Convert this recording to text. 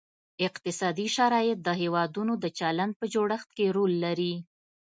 اقتصادي شرایط د هیوادونو د چلند په جوړښت کې رول لري